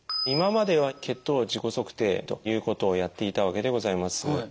今までは血糖自己測定ということをやっていたわけでございます。